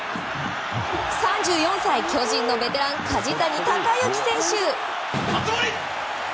３４歳、巨人のベテラン梶谷隆幸選手！